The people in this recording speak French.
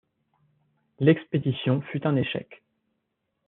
L'expédition fut un échec.